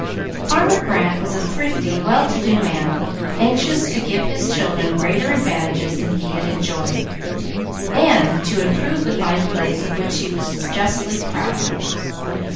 Farmer Grant was a thrifty, well to do man, anxious to give his children greater advantages than he had enjoyed, and to improve the fine place of which he was justly proud.